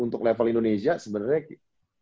untuk level indonesia sebenarnya